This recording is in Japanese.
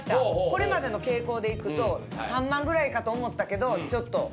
これまでの傾向でいくと３万ぐらいかと思ったけどちょっと狙いにいきました。